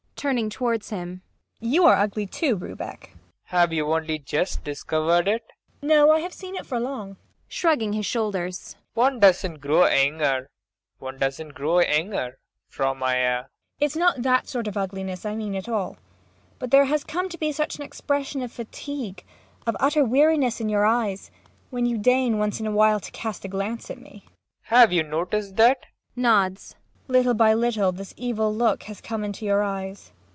[Turning towards him.] You are ugly, too, Rubek. PROFESSOR RUBEK. Have you only just discovered it? MAIA. No, I have seen it for long. PROFESSOR RUBEK. [Shrugging his shoulders.] One doesn't grow younger. One doesn't grow younger, Frau Maia. MAIA. It's not that sort of ugliness that I mean at all. But there has come to be such an expression of fatigue, of utter weariness, in your eyes when you deign, once in a while, to cast a glance at me. PROFESSOR RUBEK. Have you noticed that? MAIA. [Nods.] Little by little this evil look has come into your eyes.